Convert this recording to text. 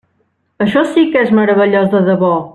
Això sí que és meravellós de debò!